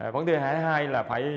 vấn đề thứ hai là phải